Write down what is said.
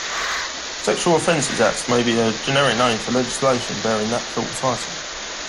Sexual Offences Acts may be a generic name for legislation bearing that short title.